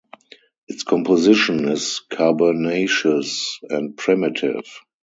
Its composition is carbonaceous and primitive.